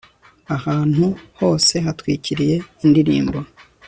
Ahantu hose hatwikiriye indirimbo